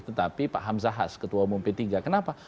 tetapi pak hamzahas ketua umum p tiga kenapa